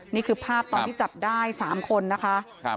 นี่คือภาพตอนที่จับได้๓คนนะคะ